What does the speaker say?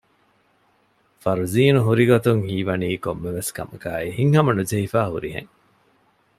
ފަރުޒީނު ހުރިގޮތުން ހީވަނީ ކޮންމެވެސް ކަމަކާއި ހިތްހަމަ ނުޖެހިފައި ހުރިހެން